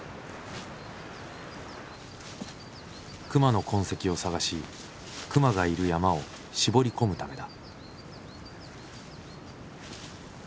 熊の痕跡を探し熊がいる山を絞り込むためだ。